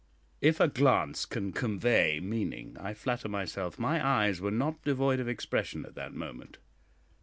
If a glance can convey meaning, I flatter myself my eyes were not devoid of expression at that moment.